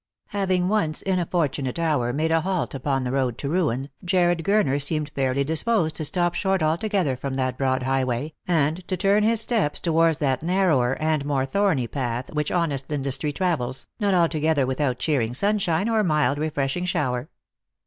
Having once, in a fortunate hour, made a halt upon the road to rain, Jarred Gurner seemed fairly disposed to stop short altogether upon that broad highway, and to turn his steps towards that narrower and more thorny path which honest industry travels, not altogether without cheering sunshine or mild refreshing shower.